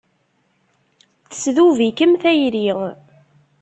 Tesdub-ikem tayri.